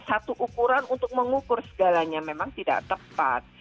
satu ukuran untuk mengukur segalanya memang tidak tepat